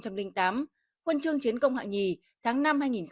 huân chương chiến công hạng hai tháng năm hai nghìn bảy